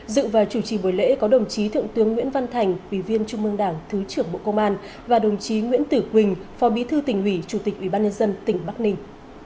dự và chủ trì buổi lễ có đồng chí thượng tướng nguyễn văn thành quý viên trung mương đảng thứ trưởng bộ công an và đồng chí nguyễn tử quỳnh phò bí thư tỉnh hủy chủ tịch ubnd tỉnh bắc ninh